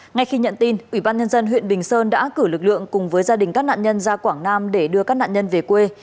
ngay khi nhận tin ủy ban nhân dân huyện bình sơn đã cử lực lượng cùng với gia đình các nạn nhân ra quảng nam để đưa các nạn nhân về quê